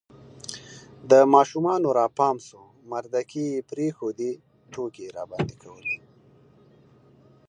د ماشومانو را پام سو مردکې یې پرېښودې، ټوکې یې راباندې کولې